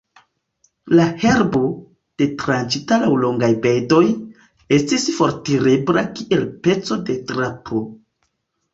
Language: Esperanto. La herbo, detranĉita laŭ longaj bedoj, estis fortirebla kiel peco de drapo.